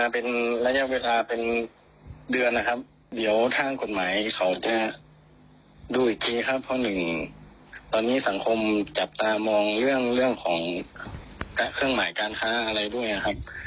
เพราะหนึ่งตอนนี้สังคมจับตามองเรื่องของเครื่องหมายการค้าอะไรด้วยครับ